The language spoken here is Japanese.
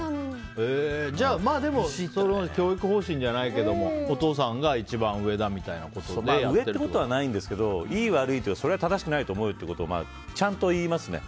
でも、教育方針じゃないけどもお父さんが一番上だみたいなことで上ってことはないんですけどいい、悪いとかそれは正しくないと思うということをちゃんと言いますね。